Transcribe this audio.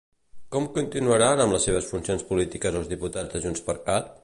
Com continuaran amb les seves funcions polítiques els diputats de JxCat?